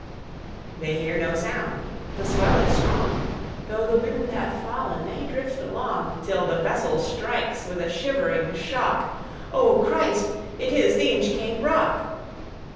They hear no sound; the swell is strong; Though the wind hath fallen, they drift along Till the vessel strikes with a shivering shock: "O Christ! it is the Inchcape Rock!"